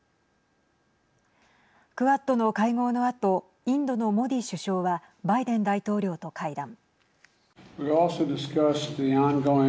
クアッドの会合のあとインドのモディ首相はバイデン大統領と会談。